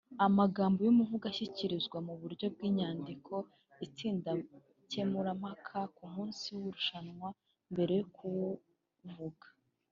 Amagambo y’umuvugo ashyikirizwa mu buryo bw’inyandiko itsindankemurampaka kumunsi w’irushanwa mbere yo kuwuvuga